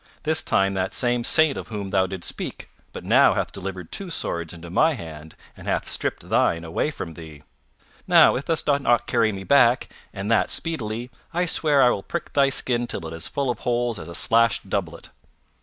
This time that same saint of whom thou didst speak but now hath delivered two swords into my hand and hath stripped thine away from thee. Now if thou dost not carry me back, and that speedily, I swear I will prick thy skin till it is as full of holes as a slashed doublet."